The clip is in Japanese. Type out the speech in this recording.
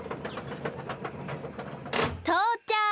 とうちゃく！